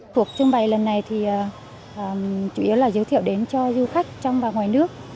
cuộc trưng bày lần này thì chủ yếu là giới thiệu đến cho du khách trong và ngoài nước